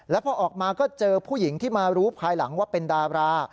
แล้วพอออกมาก็เจอผู้หญิงที่มารู้ภายหลังว่าเป็นดารา